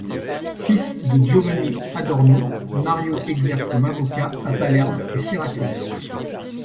Fils de Giovanni Adorno, Mario exerce comme avocat à Palerme et Syracuse.